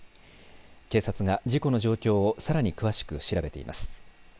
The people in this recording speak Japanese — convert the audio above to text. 警察が事故の状況をさらに詳しく調べています。